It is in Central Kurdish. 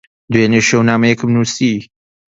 دوێنێ شەو نامەیەکم نووسی.